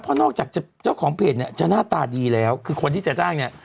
เพราะนอกจากเจ้าของเพจเนี่ยจะหน้าตาดีแล้วคือคนที่จะจ้างเนี่ย